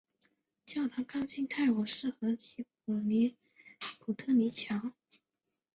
教堂靠近泰晤士河及普特尼桥。